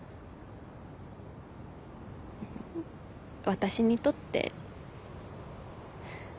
私にとって。